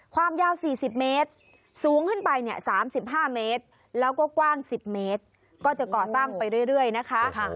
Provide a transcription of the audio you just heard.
ความยาว๔๐เมตรสูงขึ้นไปเนี่ย๓๕เมตรแล้วก็กว้าง๑๐เมตรก็จะก่อสร้างไปเรื่อยนะคะ